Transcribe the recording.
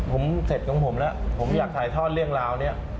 ผมเสร็จของผมแล้วผมอยากถ่ายทอดเรื่องราวนี้